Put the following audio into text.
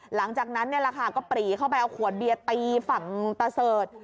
หลังจากนั้นละคาก็ปรีเข้าไปเอาขวดเบียร์ตีขวดประเสิร์ต